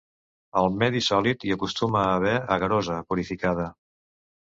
Al medi sòlid hi acostuma a haver agarosa purificada.